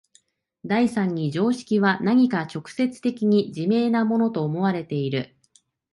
第三に常識は何か直接的に自明なものと思われている。